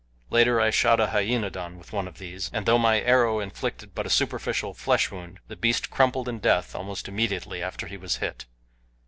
Later I shot a hyaenodon with one of these, and though my arrow inflicted but a superficial flesh wound the beast crumpled in death almost immediately after he was hit.